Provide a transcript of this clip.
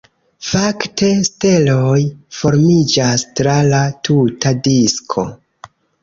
Fakte, steloj formiĝas tra la tuta disko.